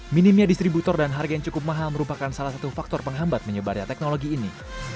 minimnya distributor dan harga yang cukup mahal merupakan salah satu faktor penghambat menyebarnya teknologi ini